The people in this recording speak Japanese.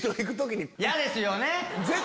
嫌ですよね。